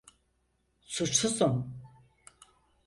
Suçsuzum.